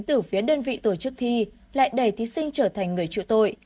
từ phía đơn vị tổ chức thi lại đẩy thí sinh trở thành người trụ tội